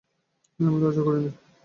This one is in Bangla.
না, আমি লজ্জা করি নে।